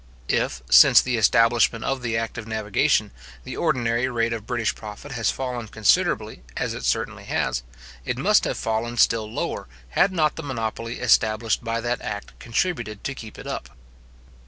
If, since the establishment of the act of navigation, the ordinary rate of British profit has fallen considerably, as it certainly has, it must have fallen still lower, had not the monopoly established by that act contributed to keep it up.